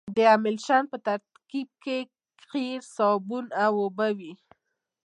د املشن په ترکیب کې قیر صابون او اوبه وي